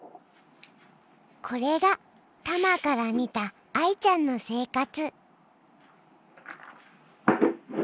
これがたまから見た愛ちゃんの生活。